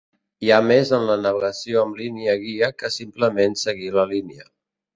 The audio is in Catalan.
Hi ha més en la navegació amb línia guia que simplement seguir la línia.